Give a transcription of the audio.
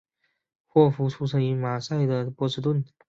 霍夫出生于马萨诸塞州的波士顿。